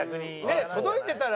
ねっ届いてたら。